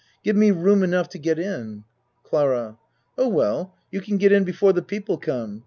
Give me room enough to get in. CLARA Oh, well, you can get in before the peo ple come.